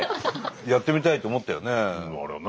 やってみたいって思ったよね。